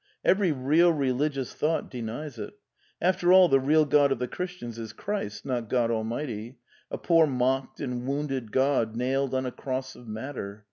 Every real religious thought denies it. After all, the real God of the Christians is Christ, not God Almighty; a poor mocked and wounded God nailed on a cross of matter.